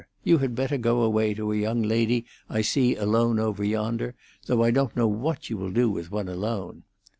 You had better go away to a young lady I see alone over yonder, though I don't know what you will do with one alone."